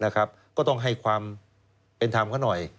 ก็ต้องให้ความเป็นธรรมเขาหน่อย